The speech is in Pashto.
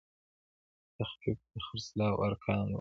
تخفیف د خرڅلاو ارقام لوړوي.